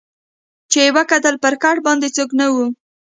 چي یې وکتل پر کټ باندي څوک نه وو